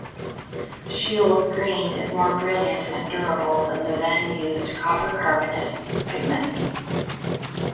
Scheele's Green is more brilliant and durable than the then-used copper carbonate pigments.